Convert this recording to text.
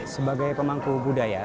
sebagai pemangku budaya